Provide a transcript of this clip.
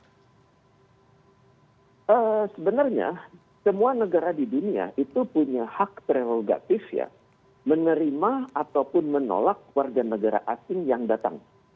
sebenarnya semua negara di dunia itu punya hak prerogatif ya menerima ataupun menolak warga negara asing yang datang